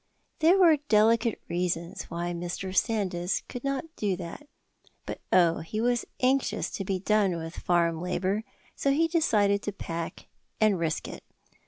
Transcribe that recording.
There were delicate reasons why Mr. Sandys could not do that, but oh, he was anxious to be done with farm labour, so he decided to pack and risk it.